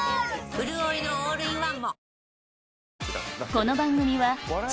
うるおいのオールインワンも！